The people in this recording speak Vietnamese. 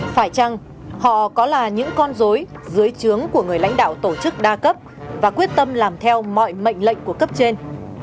phải chăng họ có là những con dối dưới trướng của người lãnh đạo tổ chức đa cấp và quyết tâm làm theo mọi mệnh lệnh của cấp trên